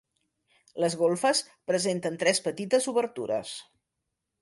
Les golfes presenten tres petites obertures.